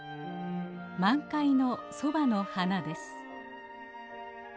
満開のソバの花です。